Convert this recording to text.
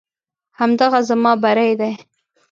همدغه زما بری دی.